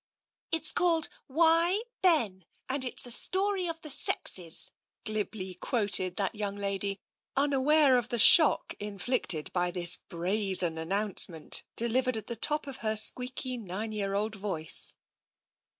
'* It's called, ' Why, Ben !' and it's a Story of the Sexes," glibly quoted that young lady, unaware of the shock inflicted by this brazen announcement, delivered at the top of her squeaky, nine year old voice.